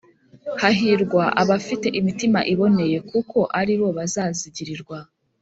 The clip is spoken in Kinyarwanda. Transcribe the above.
Hahirwa abafite imitima iboneye kuko aribo bazazigirirwa